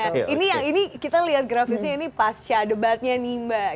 nah ini yang ini kita lihat grafisnya ini pasca debatnya nih mbak